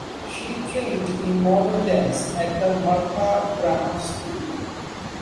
She trained in modern dance at the Martha Graham School.